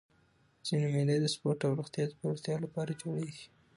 ځيني مېلې د سپورټ او روغتیا د پیاوړتیا له پاره جوړېږي.